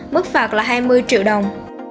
mức phạt là hai mươi triệu đồng